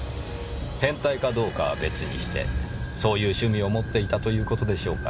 変態かどうかは別にしてそういう趣味を持っていたという事でしょうかね。